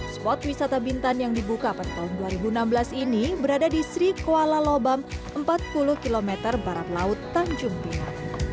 spot wisata bintan yang dibuka pada tahun dua ribu enam belas ini berada di sri kuala lobam empat puluh km barat laut tanjung pia